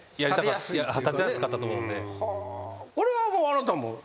これはあなたも？